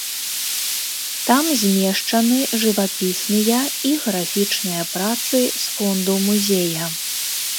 Там змешчаны жывапісныя і графічныя працы з фонду музея.